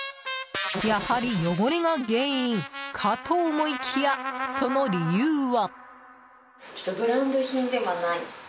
やはり汚れが原因かと思いきやその理由は。